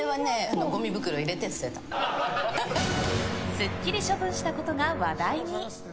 すっきり処分したことが話題に。